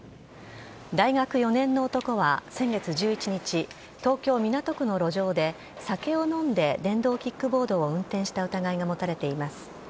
大学４年の男は先月１１日東京・港区の路上で酒を飲んで電動キックボードを運転した疑いが持たれています。